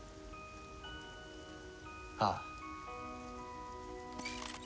ああ。